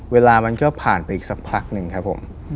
เวลามันก็ผ่านไปอีกสักพักหนึ่งครับผม